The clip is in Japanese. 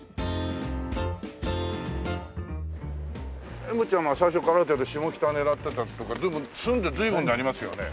えもっちゃんは最初からある程度下北狙ってたとか住んで随分になりますよね。